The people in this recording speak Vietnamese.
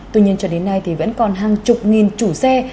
tuy nhiên cho đến nay thì vẫn còn hàng chục nghìn chủ xe